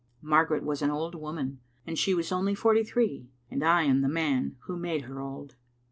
Margaret was an old woman, and she was only forty three : and I am the man who made her old.